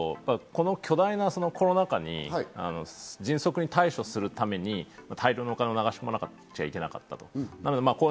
さっきの話に戻ると、あの巨大なコロナ禍に迅速に対処するために大量のお金を流し込まなきゃいけなかった。